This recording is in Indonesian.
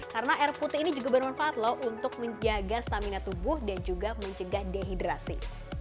karena air putih ini juga bermanfaat loh untuk menjaga stamina tubuh dan juga mencegah dehidrasi